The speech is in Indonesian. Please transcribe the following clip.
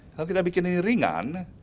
kalau kita bikin ini ringan